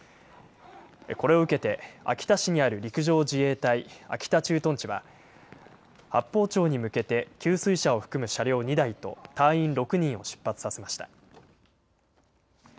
これを受けて秋田市にある陸上自衛隊秋田駐屯地は八峰町に向けて給水車を含む車両２台と隊員６人を出発させました。